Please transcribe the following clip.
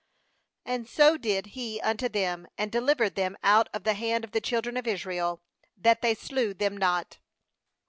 26And so did he unto them, and delivered them out of the hand of the children of Israel, that they slew them not.